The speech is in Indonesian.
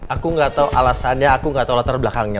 aku gak tau alasannya aku gak tau latar belakangnya